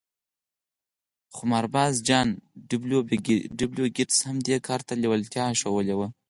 قمارباز جان ډبلیو ګیټس هم دې کار ته لېوالتیا ښوولې وه